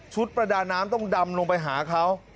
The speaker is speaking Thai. ประดาน้ำต้องดำลงไปหาเขา